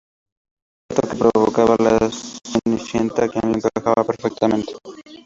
El zapato es probado en Cenicienta, a quien le encaja perfectamente.